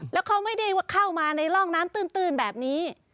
แล้วเขาไม่ได้เข้ามาในร่องน้ำตื้นแบบนี้